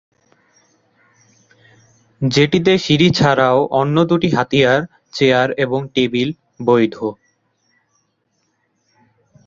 যেটিতে সিঁড়ি ছাড়াও অন্য দুটি হাতিয়ার চেয়ার এবং টেবিল বৈধ।